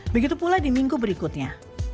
begitu pula di minggu berikutnya